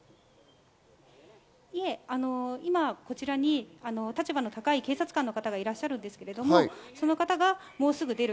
いえ、今こちらに立場の高い警察官の方がいらっしゃるんですが、その方がもうすぐ出る。